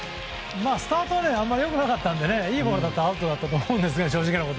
スタートはあんまりよくなかったのでいいボールだとアウトだったと思うんですが、正直。